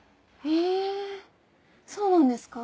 へぇそうなんですか。